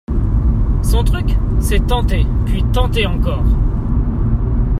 Son truc, c’est tenter, puis tenter encore.